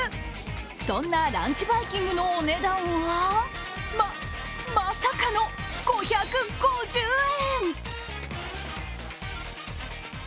そんなランチバイキングのお値段は、ま、まさかの５５０円！